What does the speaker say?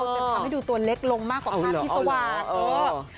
จนทำให้ดูตัวเล็กลงมากกว่าภาพที่สว่าง